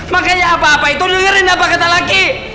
makanya apa apa itu dengerin apa kata lagi